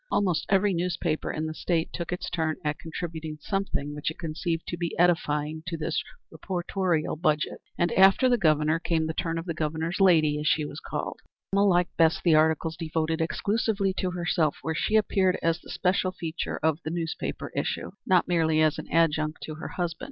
Almost every newspaper in the State took its turn at contributing something which it conceived to be edifying to this reportorial budget. And after the Governor, came the turn of the Governor's lady, as she was called. Selma liked best the articles devoted exclusively to herself; where she appeared as the special feature of the newspaper issue, not merely as an adjunct to her husband.